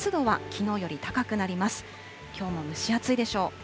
きょうも蒸し暑いでしょう。